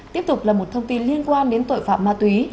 tiếp tục là một thông tin liên quan đến tội phạm ma túy